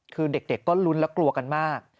คือเด็กก็ลุ้นและกลัวกันมาก